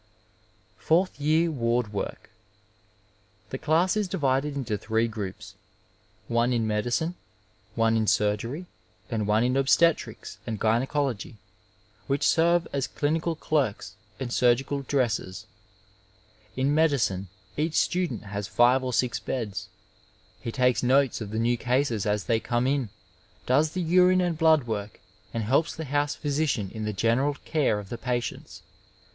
Fowrik Year Ward Work. — ^The dass is divided into three groups (one in medicine, one insur^ry, and one in obstetrics and gysdnology) which serve as clinical clerks and surgical dressers. Li medicine each student has five or six beds. He takes notes of the new cases as they come in, does the urine and blood work and helps the house physician in the general care of the patients.